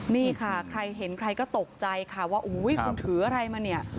นี่ค่ะใครเห็นใครก็ตกใจค่ะว่าอุ้ยคุณถืออะไรมาเนี่ย